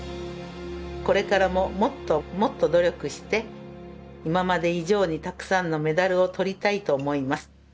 これからももっともっと努力して今まで以上にたくさんのメダルをとりたいと思います。